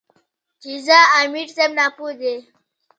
چې ځه امیر صېب ناپوهَ دے ـ